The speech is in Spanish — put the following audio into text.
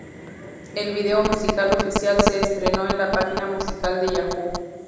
El vídeo musical oficial se estrenó en la página musical de Yahoo!